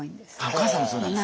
お母さんもそうなんですか？